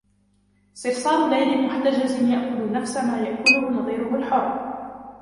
صرصار ليل محتجز يأكل نفس ما يأكله نظيره الحر.